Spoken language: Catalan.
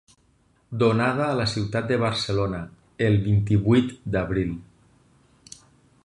Donada a la ciutat de Barcelona, el vint-i-vuit d'abril.